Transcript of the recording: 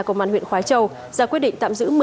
công an huyện khói châu ra quyết định tạm giữ